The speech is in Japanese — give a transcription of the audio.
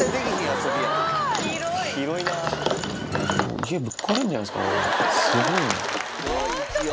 家、ぶっ壊れんじゃないですか、すごいな。